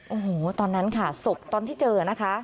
โอ้โหตอนนั้นค่ะศพตอนที่เจอนะคะ